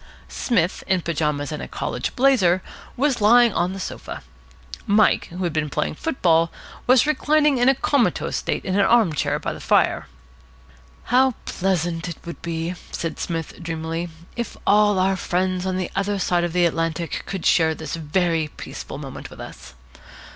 Psmith, in pyjamas and a college blazer, was lying on the sofa. Mike, who had been playing football, was reclining in a comatose state in an arm chair by the fire. "How pleasant it would be," said Psmith dreamily, "if all our friends on the other side of the Atlantic could share this very peaceful moment with us!